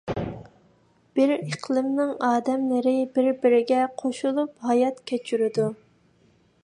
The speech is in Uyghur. بىر ئىقلىمنىڭ ئادەملىرى بىر - بىرىگە قوشۇلۇپ ھايات كەچۈرىدۇ.